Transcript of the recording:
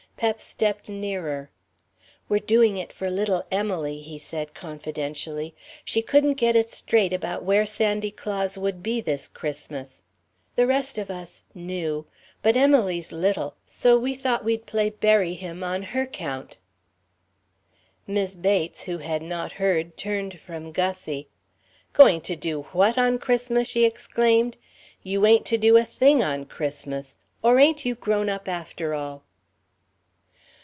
Pep stepped nearer. "We're doing it for little Emily," he said confidentially. "She couldn't get it straight about where Sandy Claus would be this Christmas. The rest of us knew. But Emily's little so we thought we'd play bury him on her 'count." Mis' Bates, who had not heard, turned from Gussie. "Going to do what on Christmas?" she exclaimed. "You ain't to do a thing on Christmas. Or ain't you grown up, after all?"